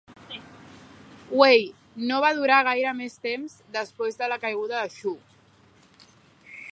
Wei no va durar gaire més temps després de la caiguda de Shu.